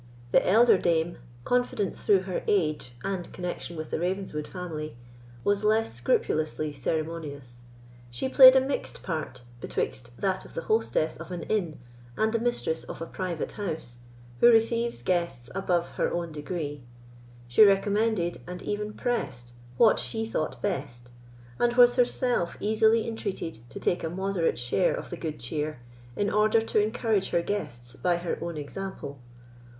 The elder dame, confident through her age and connexion with the Ravenswood family, was less scrupulously ceremonious. She played a mixed part betwixt that of the hostess of an inn and the mistress of a private house, who receives guests above her own degree. She recommended, and even pressed, what she thought best, and was herself easily entreated to take a moderate share of the good cheer, in order to encourage her guests by her own example.